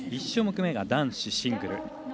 １種目めが男子シングル。